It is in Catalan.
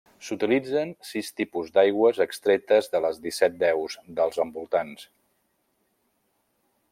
S'utilitzen sis tipus d'aigües extretes de les disset deus dels envoltants.